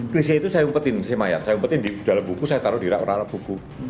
klise itu saya umpetin saya umpetin di dalam buku saya taruh di rak rak buku